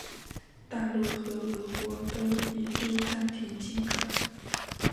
大陆和俄国都一度暂停进口。